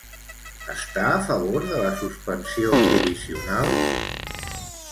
Està a favor de la suspensió provisional?